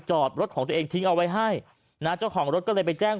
จอดรถของตัวเองทิ้งเอาไว้ให้นะเจ้าของรถก็เลยไปแจ้ง